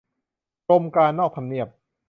กรมการนอกทำเนียบ